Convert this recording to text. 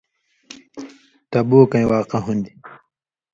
تبُوکَیں واقعہ ہُوۡن٘دیۡ۔